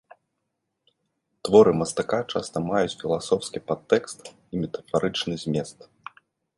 Творы мастака часта маюць філасофскі падтэкст і метафарычны змест.